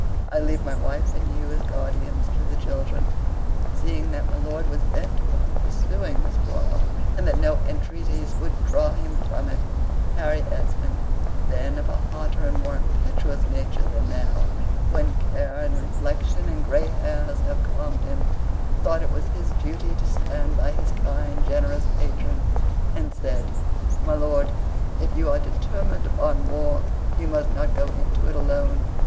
I leave my wife and you as guardians to the children." Seeing that my lord was bent upon pursuing this quarrel, and that no entreaties would draw him from it, Harry Esmond (then of a hotter and more impetuous nature than now, when care, and reflection, and gray hairs have calmed him) thought it was his duty to stand by his kind, generous patron, and said, "My lord, if you are determined upon war, you must not go into it alone.